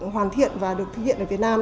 hoàn thiện và được thực hiện ở việt nam